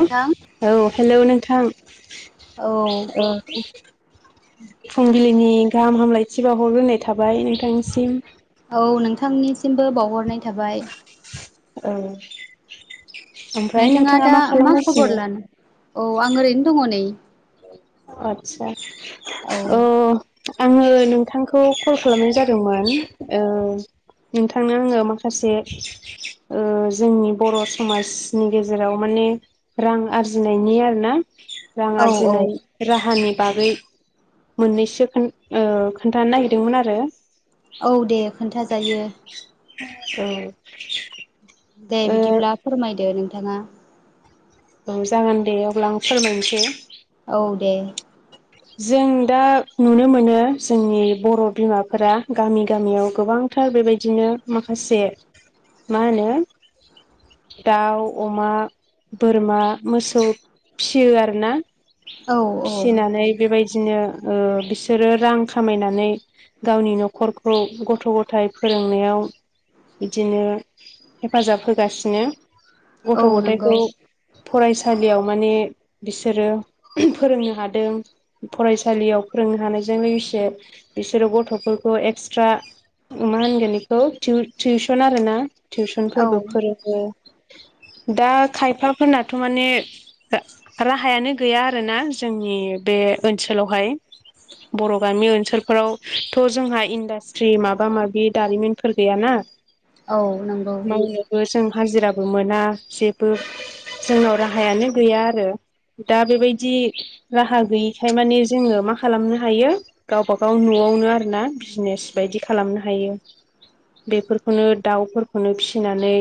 नोंथां औ हेल' नोंथां औ ओ फुंबिलिनि गाहाम हामलायथि बावहरग्रोनाय थाबाय नोंथांसिम। औ नोंथांनिसिमबो बावहरनाय थाबाय। औ ओमफ्राय नोंथाङा नोंथांङा दा मा खबर खालामगासिनो? लानो औ आं ओरैनो दङ नै। आतसा औ ओ आङो नोंथांखौ कल खालामनाय जादोंमोन ओ नोंथांनो आंङो माखासे ओ जोंनि बर' समाजनि गेजेराव माने रां आरजिनायनि आरोना रां औ औ आरजिनाय राहानि बागै मोननैसो खोन ओ खोन्थानो नागिरदोंमोन आरो औ दे खोन्थाजायो। औ। दे ओ बिदिब्ला फोरमायदो नोंथाङा। औ जागोन दे अब्ला आं फोरमायनोसै। औ दे। जों दा नुनो मोनो जोंनि बर' बिमाफोरा गामि गामियाव गोबां टार बेबायदिनो माखासे मा होनो दाउ अमा बोरमा मोसौ फियो आरोना औ औ फिसिनानै बेबायदिनो ओ बिसोरो रां खामायनानै गावनि न'खरखौ गथ' गथायाइ फोरोंनायाव बिदिनो हेफाजाब होगासिनो गथ' औ नंगौ गथायखौ फरायसालियाव माने बिसोरो फोरोंनो हादों फरायसालियाव फोरोंनो हानायजों लोगोसे बिसोरो गथ'फोरखौ एक्सट्रा मा होनगोन बेखौ टिउसन आरो ना औ टिउसनफोरबो फोरोङो दा खायफाफोरनाथ' माने राहायानो गैया आरोना जोंनि बे ओनसोलावहाय बर' गामि ओनसोलफोरावथ' जोंहा इन्डास्ट्रि माबा माबि दारिमिनफोर गैयाना औ नंगौ मावनोबो जों हाजिराबो मोना जेबो जोंनाव राहायानो गैया आरो दा बेबायदि राहा गैयि खाय माने जोङो मा खालामनो हायो गावबागाव न'आवनो आरोना बिजनेस बायदि खालामनो हायो। बेफोरखौनो दाउफोरखौनो फिसिनानै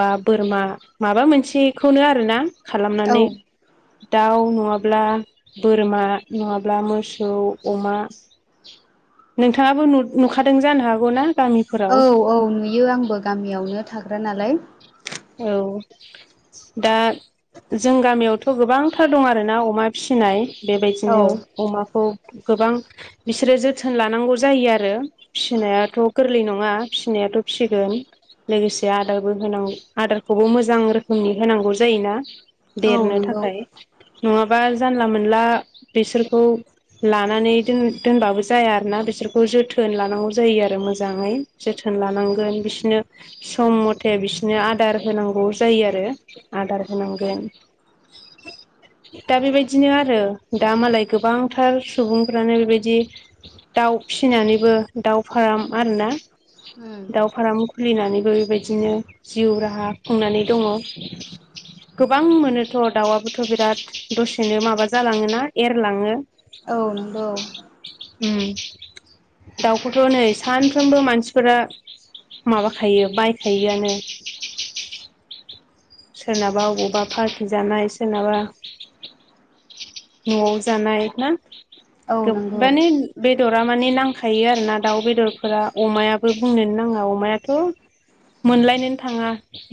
बा बोरमा माबा मोनसेखौनो आरोना औ खालामनानै दाउ नङाब्ला बोरमा नङाब्ला मोसौ अमा नोंथाङाबो नु नुखादों जानो हागौना गामि औ औ नुयो आंबो गामियावनो थाग्रा नालाय। औ। दा जों गामियावथ' गोबांथार दं आरोना अमा फिसिनाय औ बेबायदिनो अमाखौ गोबां बिसोरो जोथोन लानांगौ जायो आरो फिसिनायाथ' गोरलै नङा फिसिनायाथ' फिसिगोन लोगोसे आदारबो होनां आदारखौबो मोजां रोखोमनि होनांगौ जायोना औ देरनो नंगौ थाखाय नङाबा जानला मोनला बिसोरखौ लानानै दोन दोनबाबो जाया आरोना बिसोरखौ जोथोन लानांगौ जायो आरो मोजाङै। जोथोन लानांगोन बिसनो सम मथे बिसोरनो आ आदार होनांगौ जायो आरो आदार होनांगोन दा बेबायदिनो आरो दा मालाय गोबांथार सुबुंफ्रानो बेबायदि दाउ फिसिनानैबो दाउ फाराम आरोना उम दाउ फाराम खुलिनानैबो बेबायदिनो जिउ राहा खुंनानै दङ। गोबां मोनोथ' दाउआबोथ' बिराद दसेनो माबा जालाङो ना एरलाङो। औ नंगौ उम दाउखौथ' नै सानफ्रोमबो मानसिफोरा माबाखायो बायखायोआनो। सोरनाबा अबावबा फारथि जानाय सोरनाबा न'आव जानाय ना। औ गो नंगौ माने बेदरा माने नांखायो आरोना दाउ बेदरफोरा अमायाबो बुंनोनो नाङा अमायाथ' मोनलायनोन थाङा।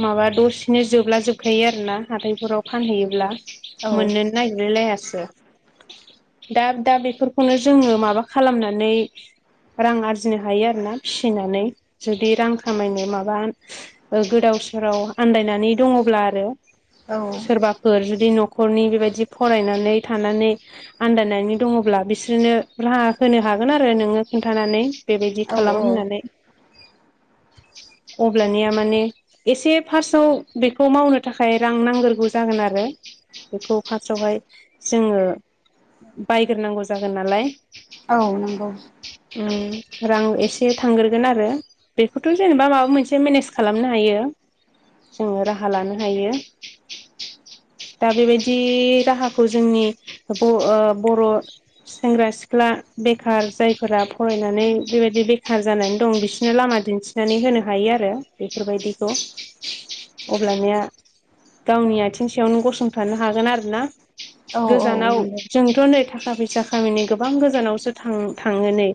माबा दसेनो जोबला जोबखायो आर ना हाथायफोराव फानहैयोब्ला औ मोननोनो नागिरलायलायासो दा दा बेफोरखौनो जोङो माबा खालामनानै रां आरजिनो हायो आरोना फिसिनानै जुदि रां खामायनो माबा गोदाव सोराव आन्दायनानै दङब्ला आरो औ सोरबाफोर जुदि न'खरनि बेबायदि फरायनानै थानानै आन्दानानै दङोब्ला बिसोरनो राहा होनो हागोन आरो नोङो खोनन्थानानै बेबायदि औ खालाम होननानै। औ अब्लानिया माने एसे फार्सआव बेखौ मावनो थाखाय रां नांग्रोगौ जागोन आरो। बेखौ फार्सआवहाय जोङो बायग्रोनांगौ जागोन नालाय। औ नंगौ। उम रां एसे थांग्रोगोन आरो। बेखौथ' जेनेबा माबा मोनसे मेनेज खालामनो हायो। जोङो राहा लानो हायो दा बेबायदि राहा खौ जोंनि ब ओ बर' सेंग्रा सिख्ला बेखार जायफोरा फरायनानै बेबायदि बेखार जानानै दं। बिसोरनो लामा दिन्थि नानै होनो हायो आरो। बेफोरबायदिखौ अब्लानिया गावनि आथिं सायावनो गसंथानो हागोन आरो ना। औ औ गोजानाव नंगौ जोंथ' नै थाखा फैसा खामिनि गोबां गोजानावसो थां थाङो नै।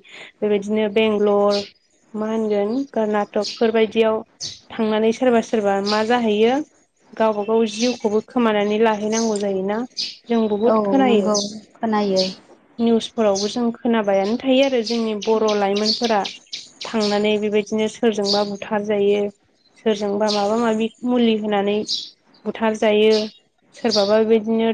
बेबायदिनो बेंगलर मा होनगोन कर्नाटकफोरबायदियाव थांनानै सोरबा सोरबा मा जाहैयो। गाव बागाव जिउखौबो खोमानानै लाहैनांगौ जायो ना? जों बहुद औ खोनायो। नंगौ खोनायो निउसफोरावबो जों खोनाबायानो थायो आरो। जोंनि बर' लाइमोनफोरा थांनानै बेबायदिनो सोरजोंबा बुथार जायो। सोरजोंबा माबा माबि मुलि होनानै बुथार जायो। सोरबाबा बेदिनो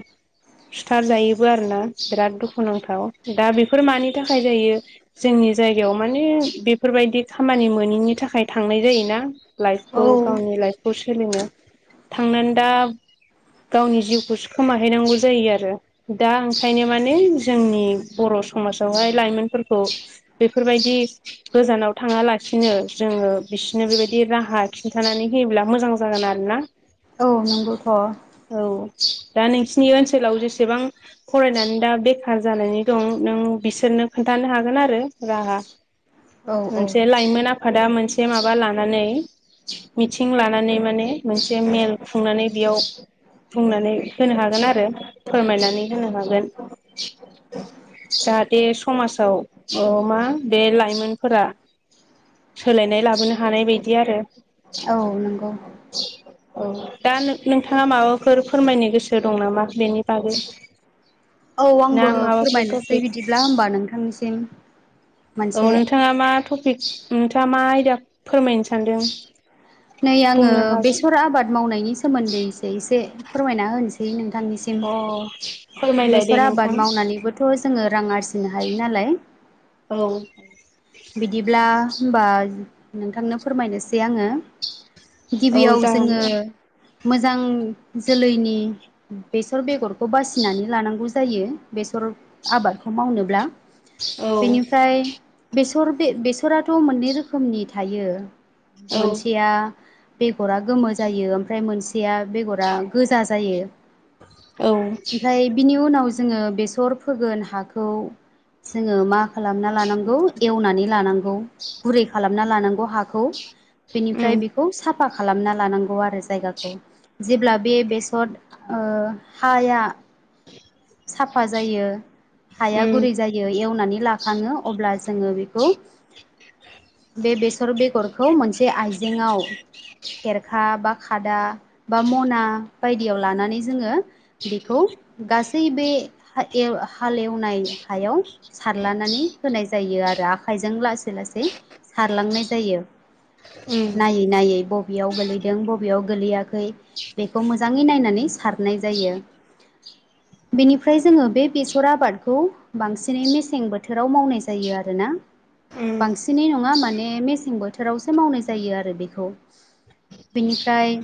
सुथार जायोबो आरो ना। बिराद दुखुनांथाव दा बेफोर मानि थाखाय जायो? जोंनि जायगायाव माने बेफोर बायदि खामानि मोैनि थाखाय थांनाय जायो ना। औ लायफखौ गावनि लायफखौ सोलिनो। थांनानै दा गावनि जिउखौसो खोमाहैनांगौ जायो आरो। दा ओंखायनो माने जोंनि बर' समाजावहाय लाइमोनफोरखौ बेफोर बायदि गोजानाव थाङालासिनो जोङो बिसिनो बेबायदि राहा खिन्थानानै होयोब्ला मोजां जागोन आरो ना। औ नंगौथ' औ दा नोंसिनि ओनसोलाव जेसेबां फरायनानै दा बेखार जानानै दं, नों बिसोरनो खोन्थानो हागोन आरो राहा। औ औ मोनसे लायमोन आफादा मोनसे माबा लानानै। मिथिं लानानै माने मोनसे मेल खुंनानै बेयाव बुंनानै होनो हागोन आरो फोरमायनानै होनो हागोन। जाहाथे समाजाव औ मा बे लाइमोनफोरा सोलायनाय लाबोनो हानाय बायदि आरो। औ नंगौ। ओं दा नों-नोंथाङा माबाफोर फोरमायनो गोसो दं नामा बेनि बागै? [inaudible] औ ना आंबो माबाफोर फोरमायनोसै टपिक बिदिब्ला होमबा नोंथांनिसिम। औ मोनसे नोंथाङा मा टपिक नोंथाङा मा आयदा फोरमायनो सानदों? नै आङो बुंनो हागोन बेसर आबाद मावनायनि सोमोन्दै एसे एसे फोरमायना होनोसै नोंथांनिसिम। अ' फोरमायलाय दे बेसर आबाद नोंथां मावनानैबोथ' जोङो रां आरजिनो हायो नालाय। औ बिदिब्ला होमबा नोंथांनो फोरमायनोसै आंङो। औ गिबियाव जागोन जोङो दे मोजां जोलैनि बेसर बेगर खौ बासिनानै लानांगौ जायो बेसर आबादखौ मावनोब्ला। औ बेनिफ्राय बेसर बे-बेसराथ' मोननै रोखोमनि थायो। औ मोनसे या बेगरा गोमो जायो ओमफ्राय मोनसेया बेगरा गोजा जायो। औ ओमफ्राय बिनि उनाव जोङो बेसर फोगोन हाखौ जोङो मा खालामना लानांगौ एवनानै लानांगौ। गुरै खालामना लानांगौ हाखौ। उम बेनिफ्राय बेखौ साफा खालामना लानांगौ आरो जायगाखौ। जेब्ला बे बेसर ओ हाया साफा जायो हाया उम गुरै जायो एवनानै लाखाङो अब्ला जोङो बेखौ बे बेसर बेगरखौ मोनसे आइजेेंआव खेरखा बा खादा बा मना बायदियाव लानानै जोङो बेखौ गासै बे हा एव हालेवनाय हायाव सारलानानै होनाय जायो आरो आखाइजों लासै लासै सारलांनाय जायो। उम नायै नायै बबेयाव गोलैदों बबेयाव गोलैया खै बेखौ मोजाङै नायनानै सारनाय जायो। बेनिफ्राय जोङो बे बेसर आबादखौ बांसिनै मेसें बोथोराव मावनाय जायो आरोना उम बांसि सिनै नङा माने मेसें बोथोरावसो मावनाय जायो आरो बेखौ। बेनिफ्राय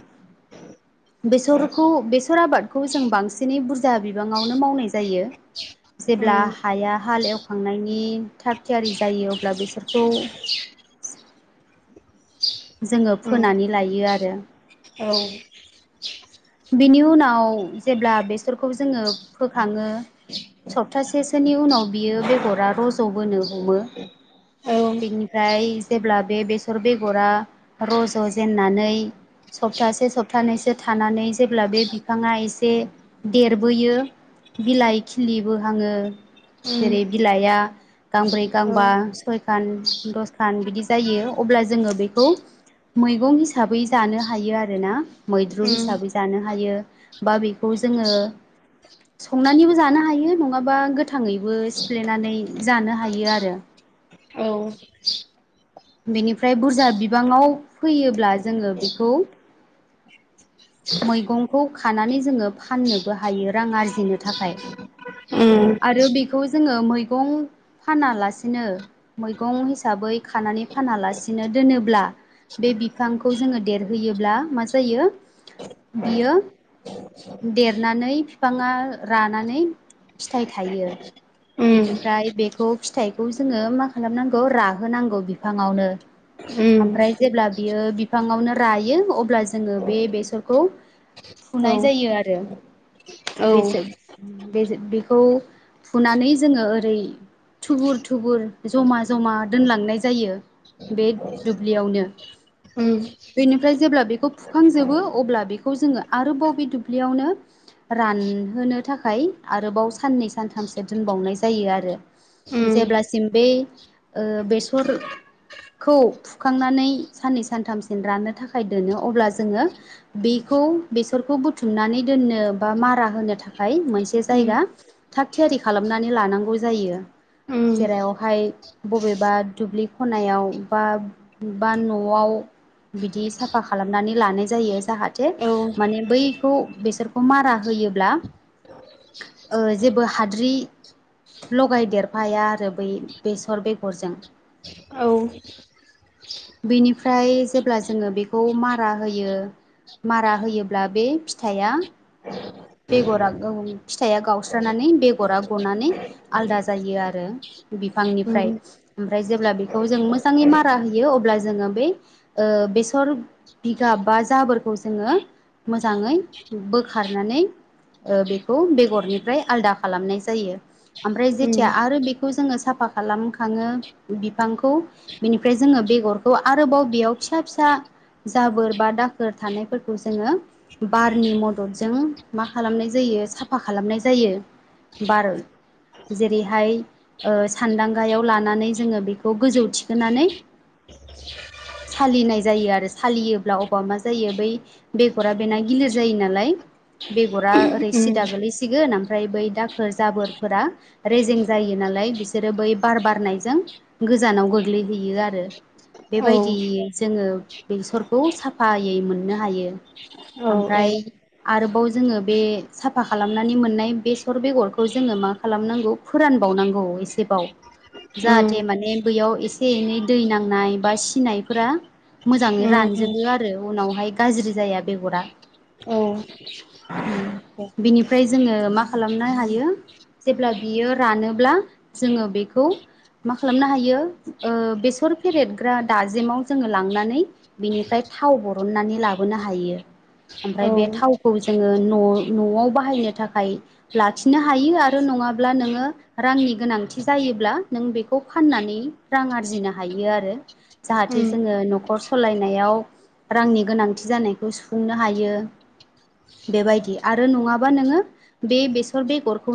बेसरखौ बेसर आबाद खौ जों बांसिनै बुरजा बिबाङावनो मावनाय जायो जेब्ला उम हाया हाल एव खांनायनि थाग थियारि जायो अब्ला बेसरखौ जोङो उम फोनानै लायो आरो। औ। बिनि उनाव जेब्ला बेसरखौ जोङो फोखाङो सप्तासे सोनि उनाव बियो बेगरा रज'बोनो हमो उम औ बेनि फ्राय जेब्ला बे बेसर बेगरा रज' जेननानै सप्तासे सप्तानैसो थानानै जेब्ला बे बिफाङा एसे देरबोयो बिलाइ खिलिबोहाङो जेरै बिलाइआ गांब्रै उम औ गांबा सयखान दसखान बिदि जायो अब्ला जोङो बेखौ मैगं हिसाबै जानो हायो आरो ना मैद्रु उम हिसाबै जानो हायो बा बेखौ जोङो संनानैबो जानो हायो नङाबा गोथाङैबो सिफ्लेनानै जानो हायो आरो। औ। बेनिफ्राय बुरजा बिबाङाव फैयोब्ला जोङो बेखौ मैगंखौ खानानै जोङो फाननोबो हायो रां आरजिनो थाखाय। औ आरो बेखौ जोङो मैगं फानालासिनो मैगं हिसाबै खानानै फानालासिनो दोनोब्ला बे बिफांखौ जोङो देरहोयोब्ला मा जायो बियो देरनानै फिफाङा रानानै फिथाइ थायो उम बिनिफ्राय बेखौ फिथाइखौ जोङो मा खालामनांगौ राहोनांगौ बि बिफाङावनो। औ ओमफ्राय जेब्ला बियो बिफाङावनो रायो अब्ला जोङो बे बेसरखौ फुनाय जायो आरो उम बेसे बेजे बेखौ फुनानै जोङो ओरै थुबुर थुबुर जमा जमा दोनलांनाय जायो बे दुब्लियावनो ओ बेनिफ्राय जेब्ला बेखौ फुखांजोबो अब्ला बेखौ जोङो आरोबाव बे दुब्लियावनो रानहोनो थाखाय आरोबाव साननै सानथामसो दोनबावनाय जायो आरो जेब्लासिम बै ओ बेसर खौ फुखांनानै साननै सानथामसिम राननो थाखाय दोनो अब्ला जोङो बेखौ बेसरखौ बुथुमनानै दोननो बा मारा होनो थाखाय मोनसे जायगा थाग थियारि खालामनानै लानांगौ जायो जेरावहाय बबेबा दुब्लि खनायाव बा बा न'आव बिदि साफा खालामनानै लानाय जायो जाहाथे माने बैखौ बेसोरखौ मारा होयोब्ला ओ जेबो हाद्रि लगायदेरफाया आरो बै बेसर बेगरजों औ बेनिफ्राय जेब्ला जोङो बेखौ मारा होयो मारा होयोब्ला बे फिथाइया बेगरा औ फिथाइया गावस्रानानै बेगरा गनानै आलादा जायो आरो बिफांनिफ्राय ओमफ्राय जेब्ला बेखौ जों मोजाङै मारा होयो अब्ला जोङो बै बेसर बिगाब बा जाबोरखौ जोङो मोजाङै बोखारनानै ओ बेखौ बेगरनिफ्राय आलदा खालामनाय जायो ओमफ्राय जेथिया आरो बेखौ जोङो साफा खालाम खाङो बिफांखौ बिनिफ्राय जोङो बेगरखौ आरोबाव बेयाव फिसा फिसा जाबोर बा दाखोर थानायफोरखौ जोङो बारनि मददजों मा खालामनाय जायो साफा खालामनाय जायो बार जेरैहाय सान्दांगायाव लानानै जोङो बेखौ गोजौ थिखोनानै सालिनाय जायो आरो सालियोब्ला अबा मा जायो बै बेगरा बेना गिलिर जायो नालाय बेगरा ओरै उम सिदा गोलैसिगोन ओमफ्राय बै दाखोर जाबोरफोरा रेजें जायो नालाय बिसोरो बै बार बारनायजों गोजानाव गोग्लैहैयो आरो औ बेबायदि जोङो बेसरखौ साफायै मोननो हायो औ औ ओमफ्राय आरोबाव जोङो बे साफा खालामनानै मोननाय बेसर बेगरखौ जोङो मा खालामनांगौ फोरानबावनांगौ एसेबाव जा उम जाहाथे माने बैयाव एसे एनै दै नांनाय बा सिनायफोरा मोजाङै उम रानजोबो आरो उनावहाय गाज्रि जाया बेगरा औ बिनिफ्राय जोङो मा खालामनो हायो जेब्ला बियो रानोब्ला जोङो बेखौ मा खालामनो हायो बेसर फेरेदग्रा दाजिमाव जोङो लांनानै बिनिफ्राय थाव बरननानै लाबोनो हायो। औ ओमफ्राय बे थावखौ जोङो न' न'आव बाहायनो थाखाय लाखिनो हायो आरो नङाब्ला नोङो रांनि गोनांथि जायोब्ला नों बे खौ फाननानै रां आरजिनो हायो आरो जाहाथे उम जोङो न'खर सालायनायाव रांनि गोनांथि जानायखौ सुफुंनो हायो बेबायदि आरो नङाबा नोङो बे बेसर बेगरखौ